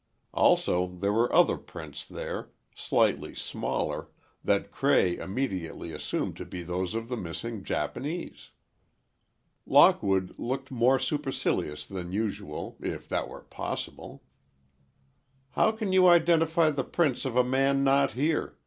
Also, there were other prints there, slightly smaller, that Cray immediately assumed to be those of the missing Japanese. Lockwood looked more supercilious than usual, if that were possible. "How can you identify the prints of a man not here?"